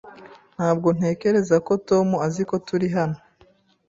Ntabwo ntekereza ko Tom azi ko turi hano.